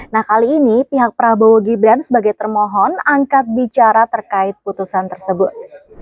nah kali ini pihak prabowo gibran sebagai termohon angkat bicara terkait putusan tersebut